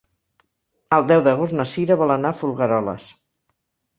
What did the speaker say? El deu d'agost na Sira vol anar a Folgueroles.